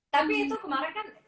tapi itu kemarin kan